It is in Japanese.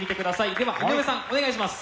では井上さんお願いします。